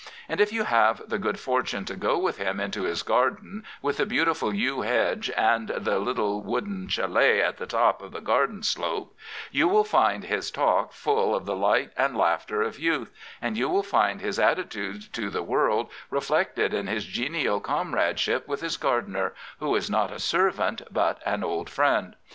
And if you have the good fortune to go with him into his garden with the beauti ful yew hedge and the little wooden ch^et at the top of the garden slope, you will find his talk full of the light and laughter of youth, and you will find his attitude to the world reflected in his genial comrade ship with his gardener, who is not a servant but an old friend.